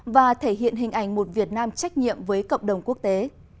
và thể hiện hình ảnh một việt nam trách nhiệm với cộng đồng quốc tế